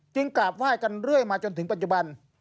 กราบไหว้กันเรื่อยมาจนถึงปัจจุบัน